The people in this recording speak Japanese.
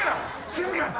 静かに。